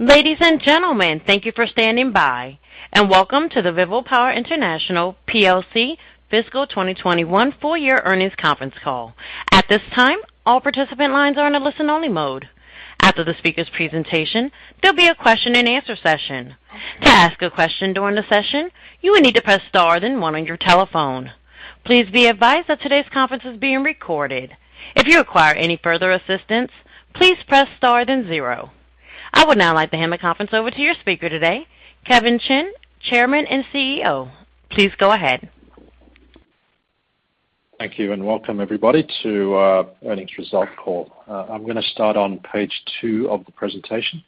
Ladies and gentlemen, thank you for standing by, and welcome to the VivoPower International PLC fiscal 2021 full year earnings conference call. At this time, all participant lines are in a listen-only mode. After the speaker's presentation, there will be a question-and-answer session. To ask a question during the session, you will need to press star then one on your telephone. Please be advised that today's conference is being recorded. If you require any further assistance, please press star then zero. I would now like to hand the conference over to your speaker today, Kevin Chin, Chairman and CEO. Please go ahead. Thank you. Welcome everybody to our earnings result call. I'm going to start on page two of the presentation.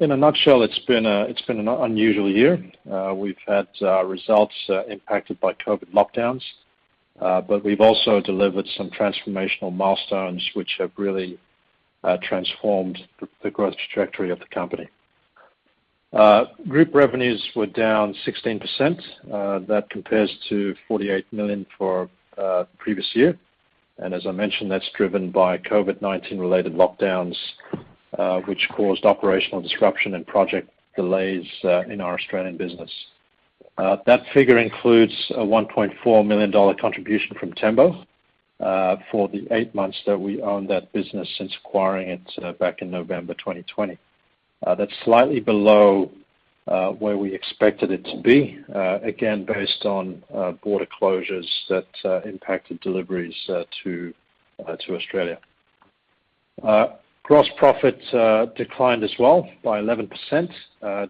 In a nutshell, it's been an unusual year. We've had results impacted by COVID lockdowns, but we've also delivered some transformational milestones which have really transformed the growth trajectory of the company. Group revenues were down 16%. That compares to $48 million for the previous year. As I mentioned, that's driven by COVID-19 related lockdowns, which caused operational disruption and project delays in our Australian business. That figure includes a $1.4 million contribution from Tembo for the eight months that we owned that business since acquiring it back in November 2020. That's slightly below where we expected it to be, again, based on border closures that impacted deliveries to Australia. Gross profit declined as well by 11%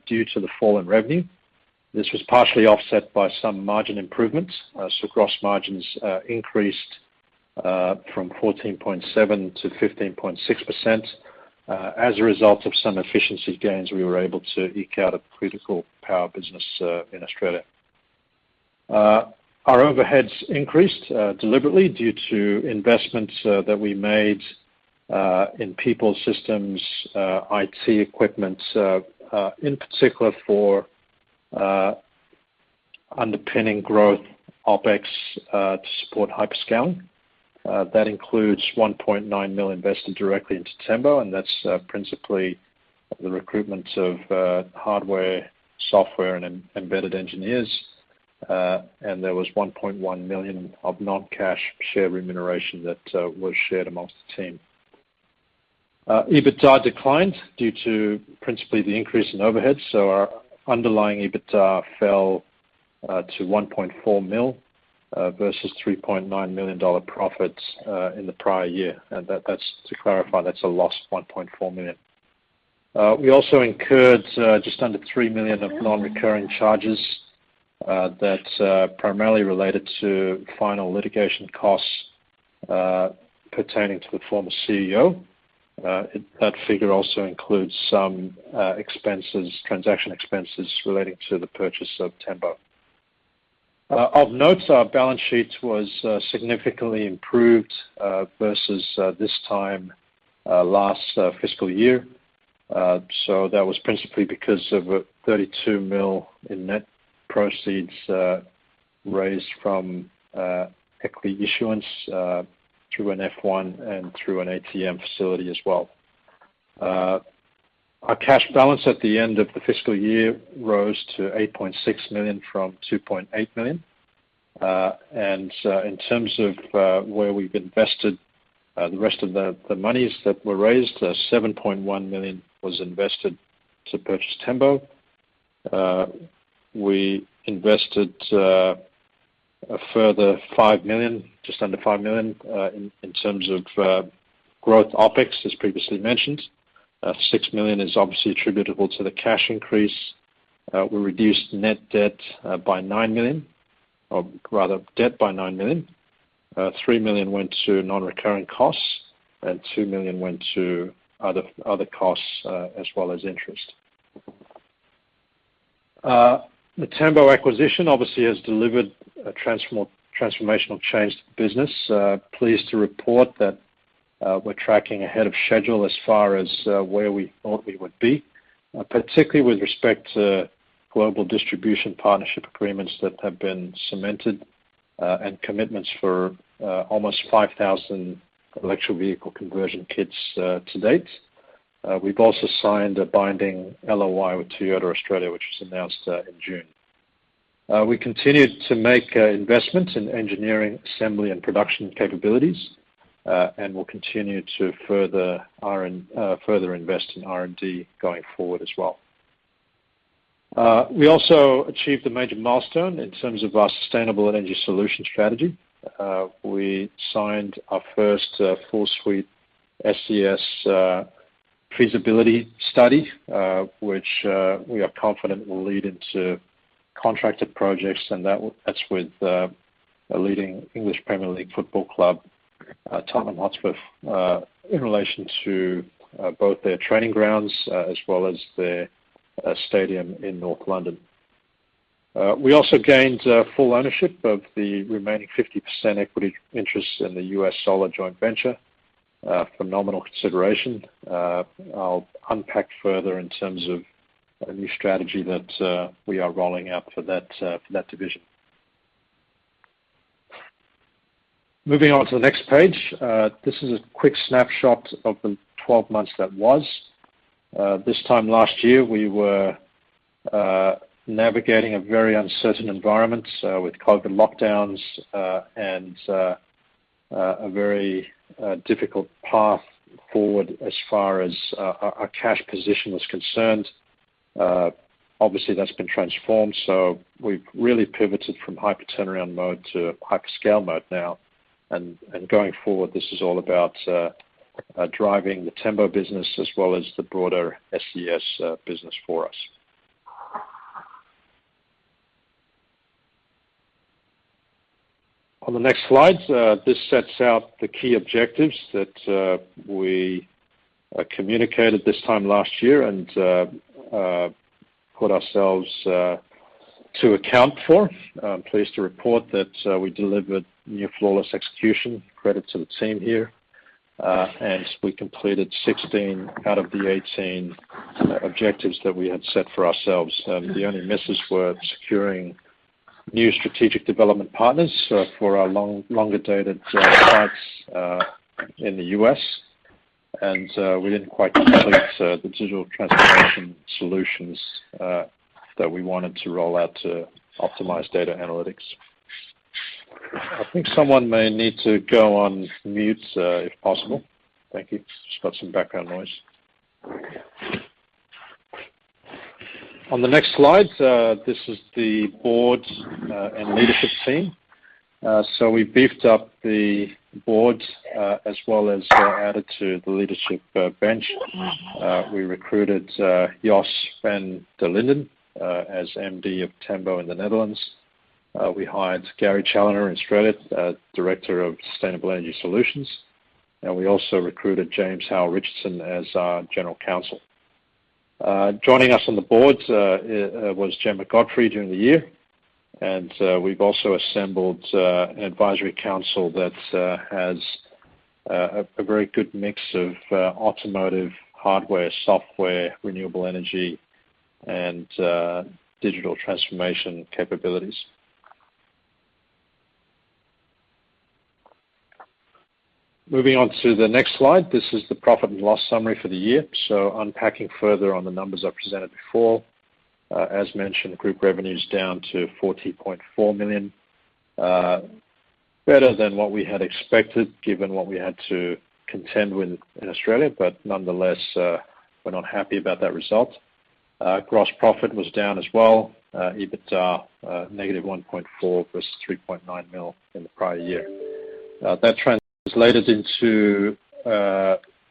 due to the fall in revenue. This was partially offset by some margin improvements. Gross margins increased from 14.7% to 15.6%. As a result of some efficiency gains, we were able to eke out a Critical Power Services in Australia. Our overheads increased deliberately due to investments that we made in people systems, IT equipment, in particular for underpinning growth OpEx to support hyperscaling. That includes $1.9 million invested directly into Tembo, and that's principally the recruitment of hardware, software, and embedded engineers. There was $1.1 million of non-cash share remuneration that was shared amongst the team. EBITDA declined due to principally the increase in overheads, our underlying EBITDA fell to $1.4 million versus $3.9 million profits in the prior year. To clarify, that's a loss of $1.4 million. We also incurred just under $3 million of non-recurring charges that primarily related to final litigation costs pertaining to the former CEO. That figure also includes some transaction expenses relating to the purchase of Tembo. Of note, our balance sheet was significantly improved versus this time last fiscal year. That was principally because of $32 million in net proceeds raised from equity issuance through an F-1 and through an ATM facility as well. Our cash balance at the end of the fiscal year rose to $8.6 million from $2.8 million. In terms of where we've invested the rest of the monies that were raised, $7.1 million was invested to purchase Tembo. We invested a further $5 million, just under $5 million, in terms of growth OpEx, as previously mentioned. $6 million is obviously attributable to the cash increase. We reduced net debt by $9 million, or rather, debt by $9 million. $3 million went to non-recurring costs, and $2 million went to other costs, as well as interest. The Tembo acquisition obviously has delivered a transformational change to the business. Pleased to report that we're tracking ahead of schedule as far as where we thought we would be, particularly with respect to global distribution partnership agreements that have been cemented, and commitments for almost 5,000 electric vehicle conversion kits to date. We've also signed a binding LOI with Toyota Australia, which was announced in June. We continued to make investments in engineering, assembly, and production capabilities, and will continue to further invest in R&D going forward as well. We also achieved a major milestone in terms of our Sustainable Energy Solution strategy. We signed our first full suite SES feasibility study, which we are confident will lead into contracted projects, and that's with a leading English Premier League football club, Tottenham Hotspur, in relation to both their training grounds as well as their stadium in North London. We also gained full ownership of the remaining 50% equity interest in the U.S. solar joint venture for nominal consideration. I'll unpack further in terms of a new strategy that we are rolling out for that division. Moving on to the next page. This is a quick snapshot of the 12 months that was. This time last year, we were navigating a very uncertain environment, with COVID lockdowns and a very difficult path forward as far as our cash position was concerned. Obviously, that's been transformed. We've really pivoted from hyper turnaround mode to hyper scale mode now. Going forward, this is all about driving the Tembo business as well as the broader SES business for us. On the next slide, this sets out the key objectives that we communicated this time last year and put ourselves to account for. I'm pleased to report that we delivered near flawless execution. Credit to the team here. We completed 16 out of the 18 objectives that we had set for ourselves. The only misses were securing new strategic development partners for our longer-dated sites in the U.S., and we didn't quite complete the digital transformation solutions that we wanted to roll out to optimize data analytics. I think someone may need to go on mute if possible. Thank you. Just got some background noise. On the next slide, this is the board and leadership team. We beefed up the board, as well as added to the leadership bench. We recruited Jos van der Linden as MD of Tembo in the Netherlands. We hired Gary Challinor in Australia, Director of Sustainable Energy Solutions, and we also recruited James Howe-Richardson as our General Counsel. Joining us on the board was Gemma Godfrey during the year. We've also assembled an advisory council that has a very good mix of automotive, hardware, software, renewable energy, and digital transformation capabilities. Moving on to the next slide. This is the profit and loss summary for the year. Unpacking further on the numbers I presented before. As mentioned, group revenue is down to $40.4 million. Better than what we had expected given what we had to contend with in Australia. Nonetheless, we're not happy about that result. Gross profit was down as well. EBITDA, -$1.4 million versus $3.9 million in the prior year. That translated into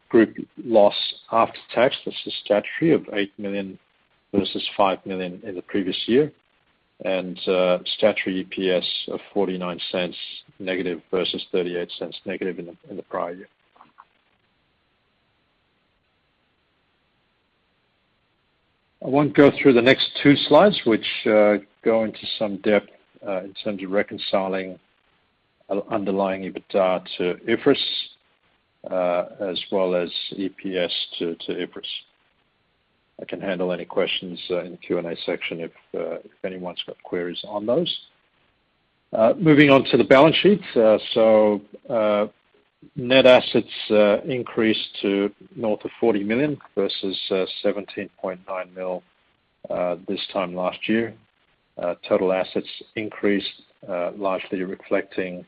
group loss after tax versus statutory of $8 million versus $5 million in the previous year. Statutory EPS of -$0.49 versus -$0.38 in the prior year. I won't go through the next two slides, which go into some depth in terms of reconciling underlying EBITDA to IFRS, as well as EPS to IFRS. I can handle any questions in the Q&A section if anyone's got queries on those. Moving on to the balance sheet. Net assets increased to north of $40 million versus $17.9 million this time last year. Total assets increased, largely reflecting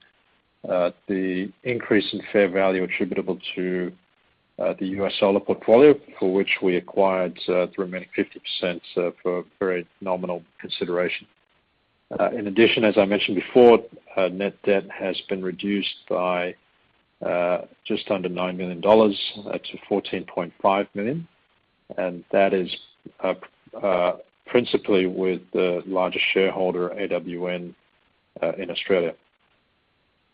the increase in fair value attributable to the U.S. solar portfolio, for which we acquired the remaining 50% for a very nominal consideration. In addition, as I mentioned before, net debt has been reduced by just under $9 million to $14.5 million, and that is principally with the largest shareholder, AWN, in Australia.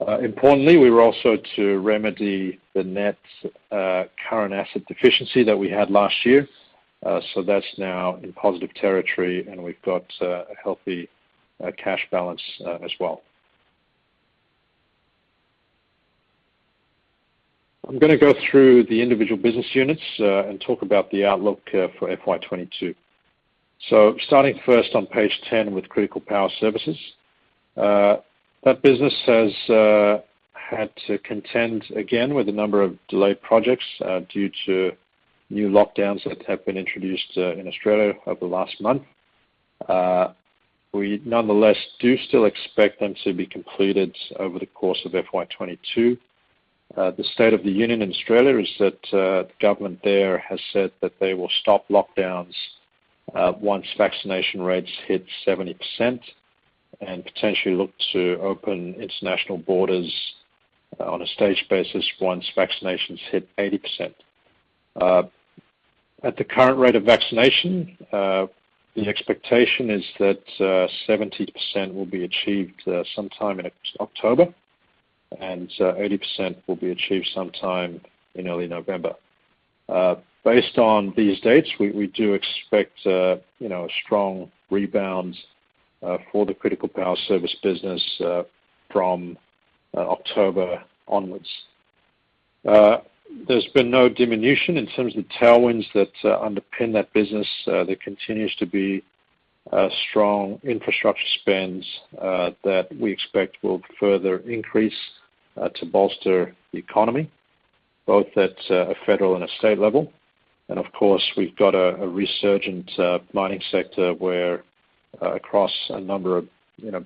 Importantly, we were also to remedy the net current asset deficiency that we had last year. That's now in positive territory and we've got a healthy cash balance as well. I'm going to go through the individual business units and talk about the outlook for FY 2022. Starting first on page 10 with Critical Power Services. That business has had to contend again with a number of delayed projects due to new lockdowns that have been introduced in Australia over the last month. We nonetheless do still expect them to be completed over the course of FY 2022. The state of the union in Australia is that the government there has said that they will stop lockdowns once vaccination rates hit 70% and potentially look to open international borders on a staged basis once vaccinations hit 80%. At the current rate of vaccination, the expectation is that 70% will be achieved sometime in October, and 80% will be achieved sometime in early November. Based on these dates, we do expect a strong rebound for the Critical Power Services business from October onwards. There's been no diminution in terms of the tailwinds that underpin that business. There continues to be strong infrastructure spends that we expect will further increase to bolster the economy, both at a federal and a state level. Of course, we've got a resurgent mining sector where across a number of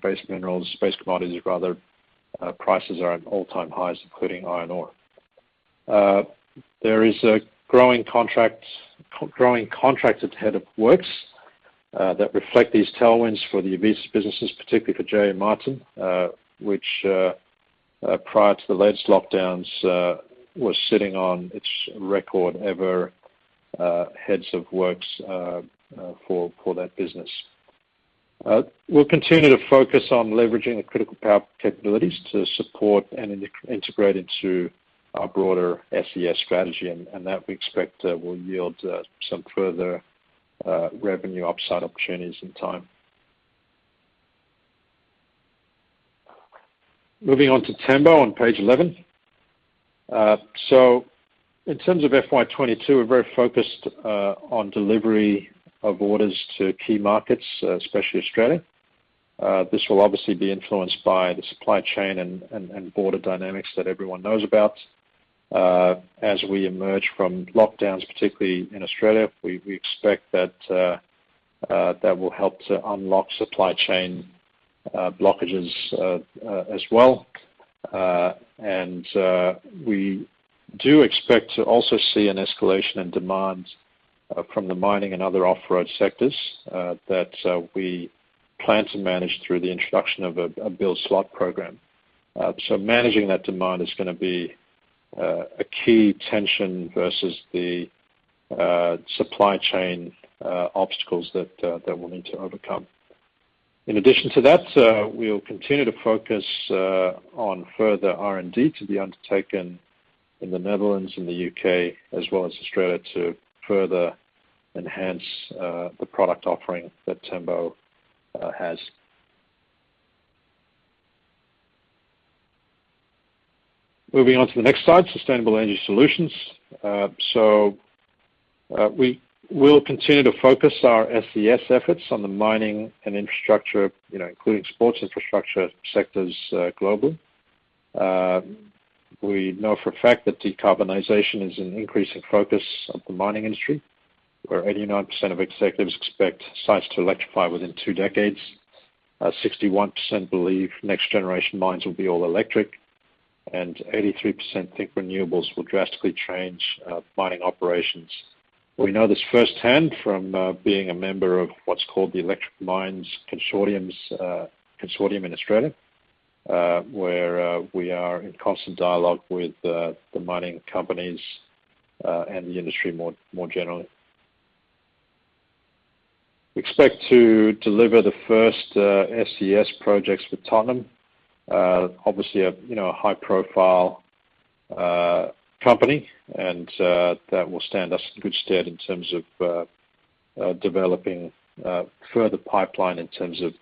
base minerals, base commodities rather, prices are at all-time highs, including iron ore. There is a growing contracted head of works that reflect these tailwinds for the Aevitas businesses, particularly for J.A. Martin, which, prior to the latest lockdowns, was sitting on its record ever heads of works for that business. We'll continue to focus on leveraging the critical power capabilities to support and integrate into our broader SES strategy, and that we expect will yield some further revenue upside opportunities in time. Moving on to Tembo on page 11. In terms of FY 2022, we're very focused on delivery of orders to key markets, especially Australia. This will obviously be influenced by the supply chain and border dynamics that everyone knows about. As we emerge from lockdowns, particularly in Australia, we expect that will help to unlock supply chain blockages as well. We do expect to also see an escalation in demand from the mining and other off-road sectors that we plan to manage through the introduction of a build slot program. Managing that demand is going to be a key tension versus the supply chain obstacles that we'll need to overcome. In addition to that, we'll continue to focus on further R&D to be undertaken in the Netherlands and the U.K., as well as Australia, to further enhance the product offering that Tembo has. Moving on to the next slide, Sustainable Energy Solutions. We will continue to focus our SES efforts on the mining and infrastructure, including sports infrastructure sectors globally. We know for a fact that decarbonization is an increasing focus of the mining industry, where 89% of executives expect sites to electrify within two decades. 61% believe next generation mines will be all electric, 83% think renewables will drastically change mining operations. We know this firsthand from being a member of what's called the Electric Mine Consortium in Australia, where we are in constant dialogue with the mining companies and the industry more generally. We expect to deliver the first SES projects with Tottenham Hotspur. Obviously, a high-profile company, that will stand us in good stead in terms of developing further pipeline in terms of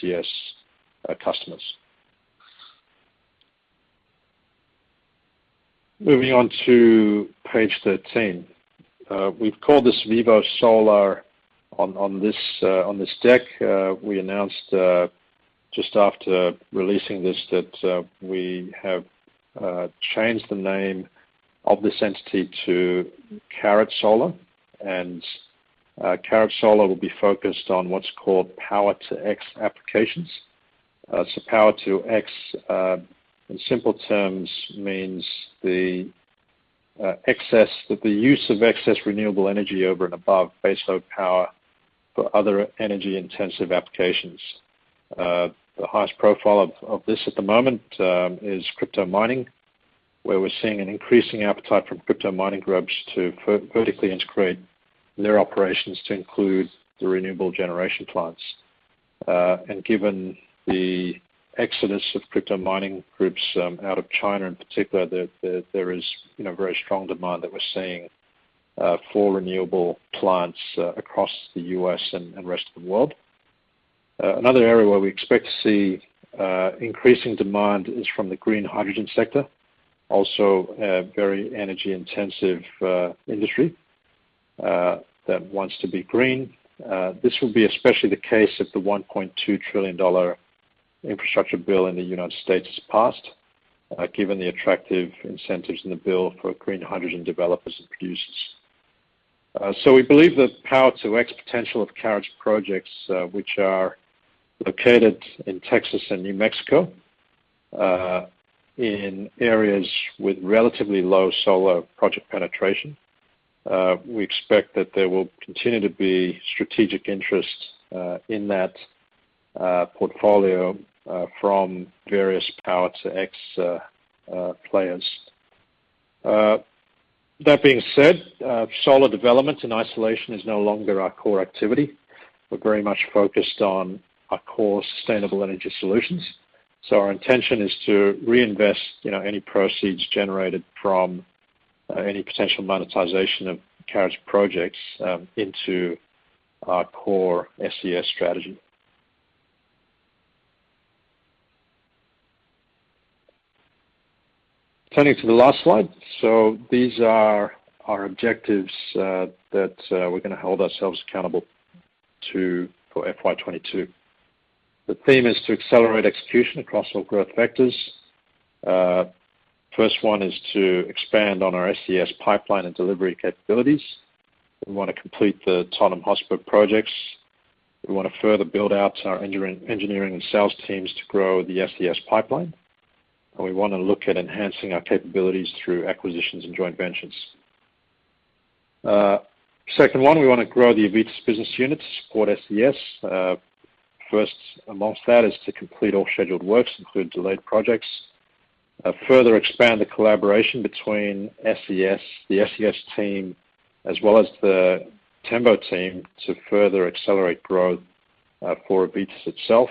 SES customers. Moving on to page 13. We've called this Vivo Solar on this deck. We announced just after rele asing this that we have changed the name of this entity to Caret Solar. Caret Solar will be focused on what's called Power-to-X applications. Power-to-X, in simple terms, means the use of excess renewable energy over and above baseload power for other energy-intensive applications. The highest profile of this at the moment is crypto mining, where we're seeing an increasing appetite from crypto mining groups to vertically integrate their operations to include the renewable generation plants. Given the exodus of crypto mining groups out of China, in particular, there is very strong demand that we're seeing for renewable plants across the U.S. and rest of the world. Another area where we expect to see increasing demand is from the green hydrogen sector. A very energy-intensive industry that wants to be green. This will be especially the case if the $1.2 trillion infrastructure bill in the United States is passed, given the attractive incentives in the bill for green hydrogen developers and producers. We believe the Power-to-X potential of Caret projects, which are located in Texas and New Mexico, in areas with relatively low solar project penetration. We expect that there will continue to be strategic interest in that portfolio from various Power-to-X players. That being said, solar development in isolation is no longer our core activity. We're very much focused on our core Sustainable Energy Solutions. Our intention is to reinvest any proceeds generated from any potential monetization of Caret projects into our core SES strategy. Turning to the last slide. These are our objectives that we're going to hold ourselves accountable to for FY 2022. The theme is to accelerate execution across all growth vectors. First one is to expand on our SES pipeline and delivery capabilities. We want to complete the Tottenham Hotspur projects. We want to further build out our engineering and sales teams to grow the SES pipeline. We want to look at enhancing our capabilities through acquisitions and joint ventures. Second one, we want to grow the Aevitas business unit to support SES. First amongst that is to complete all scheduled works, include delayed projects, further expand the collaboration between the SES team as well as the Tembo team to further accelerate growth forAevitas itself.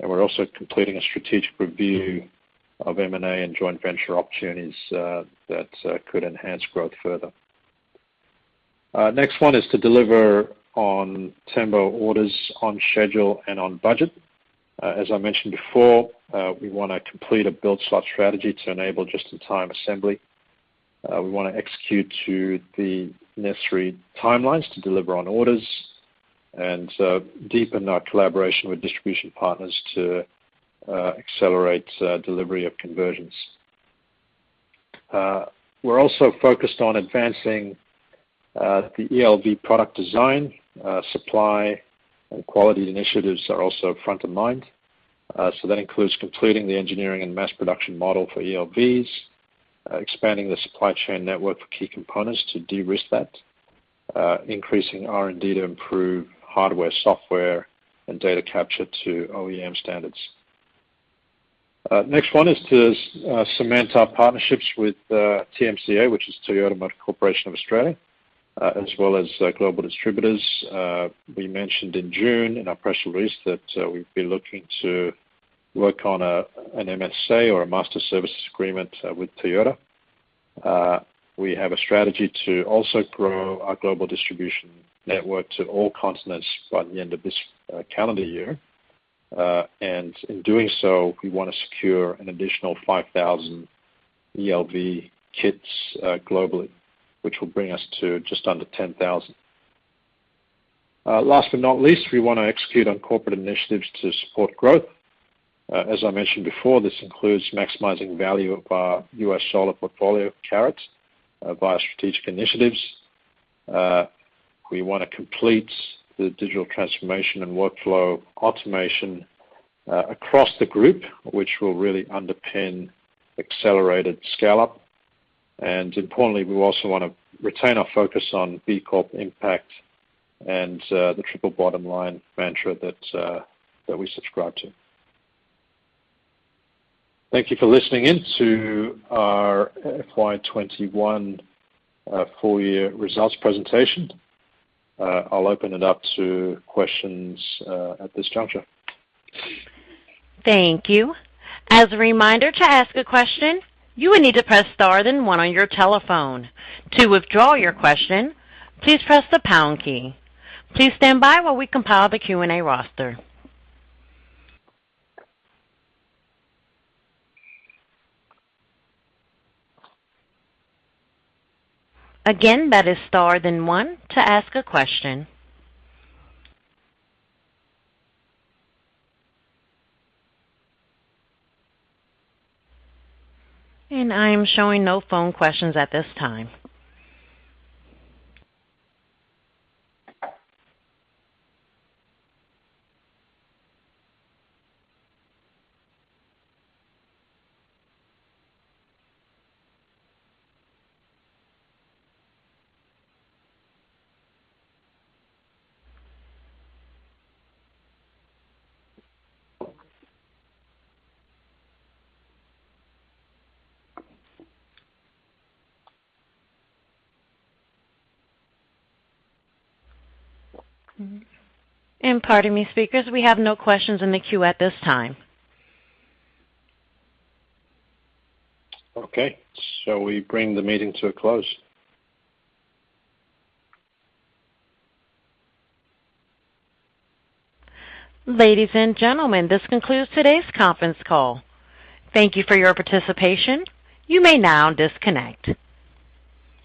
We're also completing a strategic review of M&A and joint venture opportunities that could enhance growth further. Next one is to deliver on Tembo orders on schedule and on budget. As I mentioned before, we want to complete a build slot strategy to enable just-in-time assembly. We want to execute to the necessary timelines to deliver on orders and deepen our collaboration with distribution partners to accelerate delivery of conversions. We're also focused on advancing the ELV product design. Supply and quality initiatives are also front of mind. That includes completing the engineering and mass production model for ELVs, expanding the supply chain network for key components to de-risk that, increasing R&D to improve hardware, software, and data capture to OEM standards. Next one is to cement our partnerships with TMCA, which is Toyota Motor Corporation Australia, as well as global distributors. We mentioned in June in our press release that we've been looking to work on an MSA or a Master Services Agreement with Toyota. We have a strategy to also grow our global distribution network to all continents by the end of this calendar year. In doing so, we want to secure an additional 5,000 ELV kits globally, which will bring us to just under 10,000. Last but not least, we want to execute on corporate initiatives to support growth. As I mentioned before, this includes maximizing value of our U.S. solar portfolio, Caret Solar, via strategic initiatives. We want to complete the digital transformation and workflow automation across the group, which will really underpin accelerated scale-up. Importantly, we also want to retain our focus on B Corp impact and the triple bottom line mantra that we subscribe to. Thank you for listening in to our FY 2021 full year results presentation. I'll open it up to questions at this juncture. Thank you. As a reminder, to ask a question, you will need to press star then one on your telephone. To withdraw your question, please press the pound key. Please stand by while we compile the Q&A roster. Again, that is star then one to ask a question. I am showing no phone questions at this time. Pardon me, speakers, we have no questions in the queue at this time. Okay, we bring the meeting to a close. Ladies and gentlemen, this concludes today's conference call. Thank you for your participation. You may now disconnect.